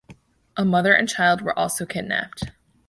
A mother and child were also kidnapped.